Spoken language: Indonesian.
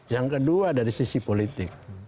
yang kedua dari sisi politik